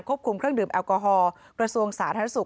คุมเครื่องดื่มแอลกอฮอลกระทรวงสาธารณสุข